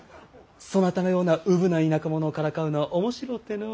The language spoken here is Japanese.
そなたのようなウブな田舎者をからかうのは面白うてのう。